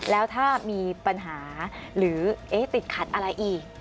แล้วถ้ามีปัญหาหรือเอ๊ะติดขัดอะไรอีก